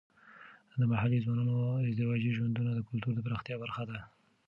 د محلي ځوانانو ازدواجي ژوندونه د کلتور د پراختیا برخه ده.